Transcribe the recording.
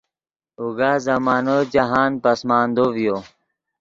اوگا زمانو جاہند پسماندو ڤیو